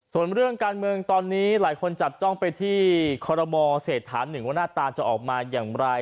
ส่วนเรื่องการเมืองตอนนี้หลายคนจับจ้องไปที่คอรมอเศรษฐานหนึ่งว่าหน้าตาจะออกมาอย่างไร